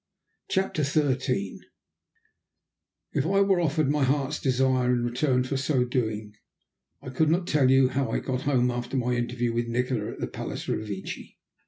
CHAPTER XIII If I were offered my heart's desire in return for so doing, I could not tell you how I got home after my interview with Nikola at the Palace Revecce.